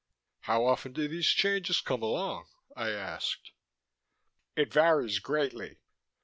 "How often do these Changes come along?" I asked. "It varies greatly.